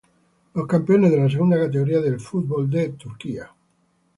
Los campeones de la segunda categoría del fútbol de Turquía.